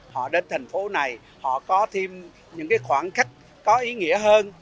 họ đến thành phố này họ có thêm những khoảng cách có ý nghĩa hơn